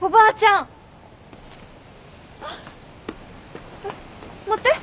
あっ！